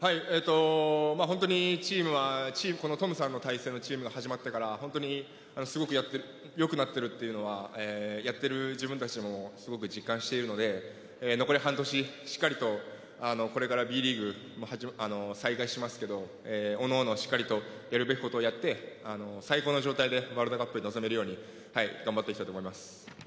本当にチームはこのトムさんの体制のチームが始まってから本当にすごくよくなっているというのはやっている自分たちでもすごく実感しているので残り半年、しっかりとこれからＢリーグも再開しますけどおのおのしっかりとやるべきことをやって最高の状態でワールドカップに臨めるように頑張っていきたいと思います。